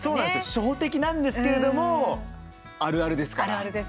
初歩的なんですけれどもあるあるですから。